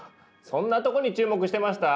そんなとこに注目してました？